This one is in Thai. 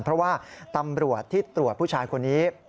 เพราะว่าตำรวจที่ตรวจผู้ชายคนนี้